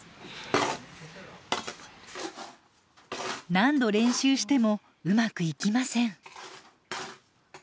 何度練習してもうまくいきません。